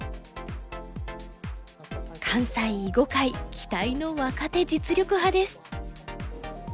関西囲碁界期待の若手実力派です。